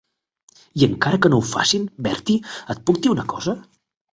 I encara que no ho facin, Bertie, et puc dir una cosa?